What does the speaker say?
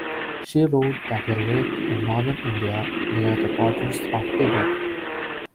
She wrote that he lived in Northern India, near the borders of Tibet.